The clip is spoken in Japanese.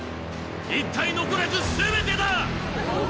１体残らず全てだ！